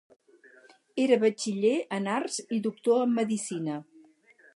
Era batxiller en arts i doctor en medicina.